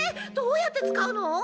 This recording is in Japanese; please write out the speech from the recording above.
どうやって使うの？